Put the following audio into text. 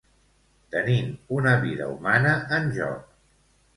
Tenint una vida humana en joc.